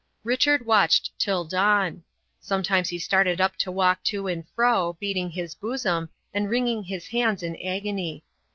Richard watched till dawn. Sometimes he started up to walk to and fro, beating his bosom, and wringing his hands in agony.